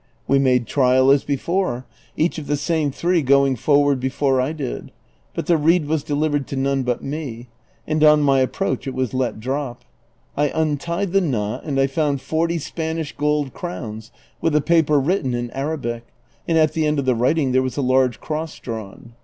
We made trial as before, each of the same three going forward be fore T dill ; but the reed was delivered to none but me, and on my ap proach it was let drop. I untied the knot and 1 found forty Spanish gold crowns with a paper written in Arabic, and at the end of the writing there was a large cross drawn.